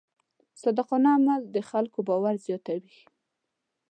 صادقانه عمل د خلکو باور زیاتوي.